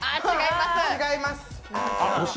違います。